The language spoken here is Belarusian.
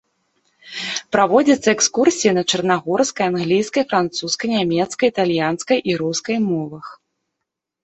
Праводзяцца экскурсіі на чарнагорскай, англійскай, французскай, нямецкай, італьянскай і рускай мовах.